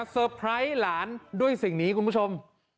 ไพรส์หลานด้วยสิ่งนี้คุณผู้ชม